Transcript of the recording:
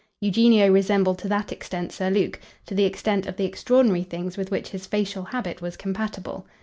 Eugenio resembled to that extent Sir Luke to the extent of the extraordinary things with which his facial habit was compatible.